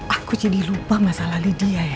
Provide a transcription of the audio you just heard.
aku jadi lupa masalah lydia ya